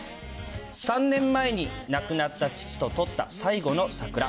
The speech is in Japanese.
３年前に亡くなった父と撮った最後の桜。